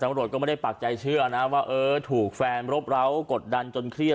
ตำรวจก็ไม่ได้ปากใจเชื่อนะว่าเออถูกแฟนรบร้าวกดดันจนเครียด